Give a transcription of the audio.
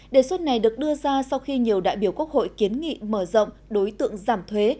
đề xuất này được đưa ra sau khi nhiều đại biểu quốc hội kiến nghị mở rộng đối tượng giảm thuế